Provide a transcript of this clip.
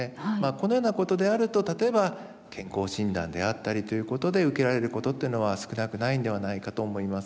このようなことであると例えば健康診断であったりということで受けられることというのは少なくないんではないかと思います。